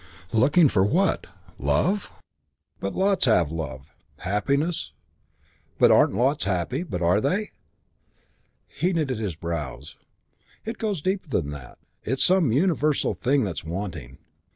Looking for what? Love? But lots have love. Happiness? But aren't lots happy? But are they?" He knitted his brows: "It goes deeper than that. It's some universal thing that's wanting.